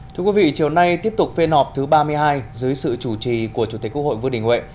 thưa quý vị chiều nay tiếp tục phê nọp thứ ba mươi hai dưới sự chủ trì của chủ tịch quốc hội vương đình huệ